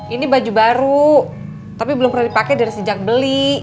ini baju baru tapi belum pernah dipakai dari sejak beli